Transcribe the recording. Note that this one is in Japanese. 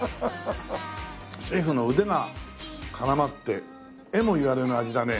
シェフの腕が絡まってえも言われぬ味だね。